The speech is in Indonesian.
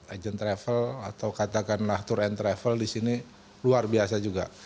agent travel atau katakanlah tour and travel di sini luar biasa juga